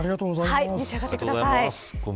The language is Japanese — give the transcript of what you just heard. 召し上がってください。